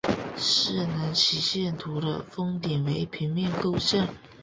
势能曲线图的峰顶为平面构象。